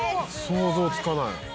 「想像つかない」